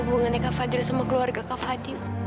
hubungannya kak fadil sama keluarga kak hadi